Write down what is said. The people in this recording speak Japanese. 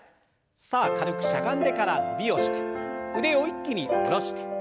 さあ軽くしゃがんでから伸びをして腕を一気に下ろして。